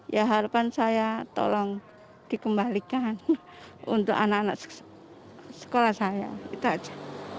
ya harapan saya tolong dikembalikan untuk anak anak sekolah saya itu aja